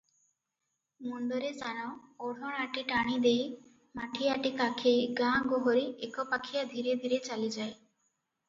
ମୁଣ୍ଡରେ ସାନ ଓଢଣାଟି ଟାଣି ଦେଇ, ମାଠିଆଟି କାଖେଇ ଗାଁ ଗୋହରୀ ଏକପାଖିଆ ଧିରେ ଧିରେ ଚାଲିଯାଏ ।